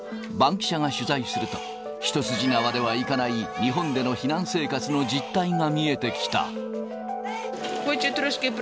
バンキシャが取材すると、一筋縄ではいかない日本での避難生活の実態が見えてきた。